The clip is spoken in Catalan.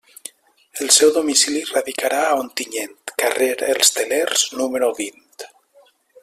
El seu domicili radicarà a Ontinyent, carrer Els Telers, número vint.